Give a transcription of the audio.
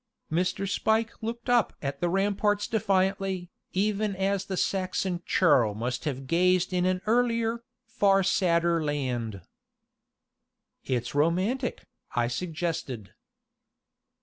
Mr. Spike looked up at the ramparts defiantly, even as the Saxon churl must have gazed in an earlier, far sadder land. "It's romantic," I suggested.